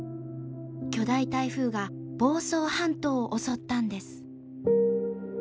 巨大台風が房総半島を襲ったんです。